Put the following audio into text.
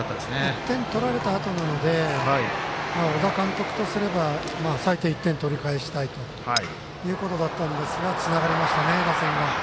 １点取られたあとなので小田監督とすれば最低１点取り返したいということだったんですがつながりましたね、打線が。